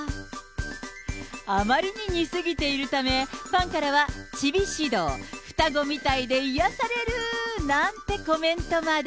あまりに似すぎているため、ファンからは、ちび獅童、双子みたいで癒やされるなんてコメントまで。